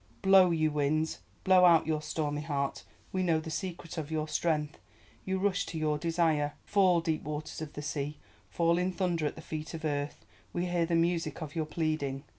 Blow, you winds, blow out your stormy heart; we know the secret of your strength, you rush to your desire. Fall, deep waters of the sea, fall in thunder at the feet of earth; we hear the music of your pleading.